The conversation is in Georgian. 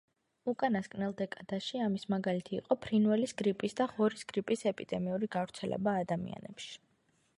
უკანასკნელ დეკადაში ამის მაგალითი იყო ფრინველის გრიპის და ღორის გრიპის ეპიდემიური გავრცელება ადამიანებში.